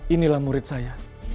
inilah murid saya